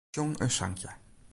Sjong in sankje.